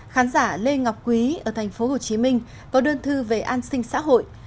khán giả lê ngọc quý ở tỉnh hồ chí minh có đơn thư về an sinh xã hội